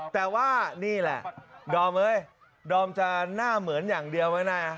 แต่ว่านี่แหละดอมเฮ้ยดอมจะหน้าเหมือนอย่างเดียวไหมนะ